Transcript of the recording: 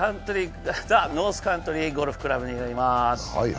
ザ・ノースカントリーゴルフクラブになります。